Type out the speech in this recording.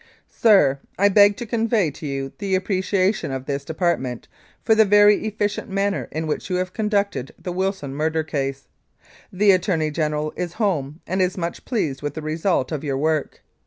SIR, I beg to convey to you the appreciation of this Department for the very efficient manner in which you have conducted the Wilson murder case. The Attorney General is home, and is much pleased with the result of your work.